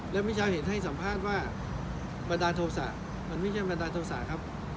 แล้วมิชาเห็นให้สัมภาษณ์ว่าบันดาลโทษะมันไม่ใช่บันดาลโทษะครับ